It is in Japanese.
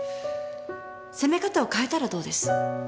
攻め方を変えたらどうです？